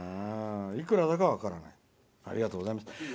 いくらだか分からないありがとうございます。